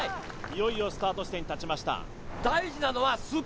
いよいよスタート地点に立ちました